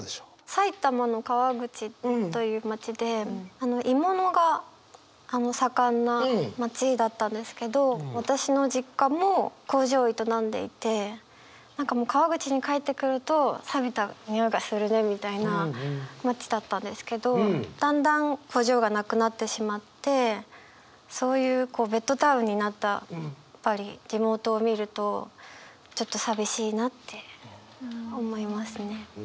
埼玉の川口という町で鋳物が盛んな町だったんですけど私の実家も工場を営んでいて何かもう川口に帰ってくると町だったんですけどだんだん工場がなくなってしまってそういうベッドタウンになったやっぱり地元を見るとちょっと寂しいなって思いますね。